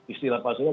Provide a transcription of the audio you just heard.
istilah pak surya